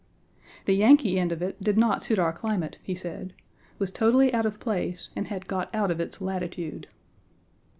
The Yankee end of it did not suit our climate, he said; was totally out of place and had got out of its latitude.